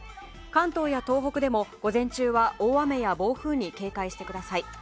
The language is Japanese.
関東や東北でも午前中は大雨や暴風に警戒してください。